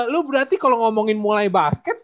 lo berarti kalau ngomongin mulai basket